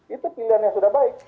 itu pilihan yang sudah baik